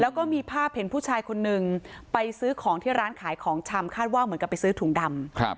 แล้วก็มีภาพเห็นผู้ชายคนนึงไปซื้อของที่ร้านขายของชำคาดว่าเหมือนกับไปซื้อถุงดำ